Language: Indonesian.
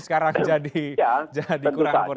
sekarang jadi kurang kurang sepakat